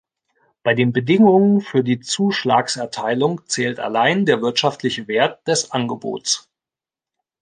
Bei den Bedingungen für die Zuschlagserteilung zählt allein der wirtschaftliche Wert des Angebots.